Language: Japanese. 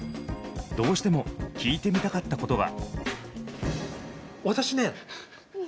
どうしても聞いてみたかったことが。